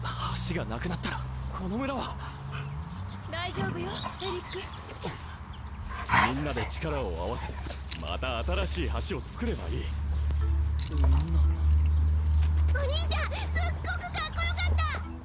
橋がなくなったらこの村は大丈夫よエリックみんなで力を合わせてまた新しい橋を作ればいいみんなお兄ちゃんすっごくカッコよかった！